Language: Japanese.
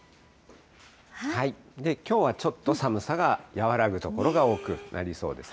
きょうはちょっと寒さが和らぐ所が多くなりそうですね。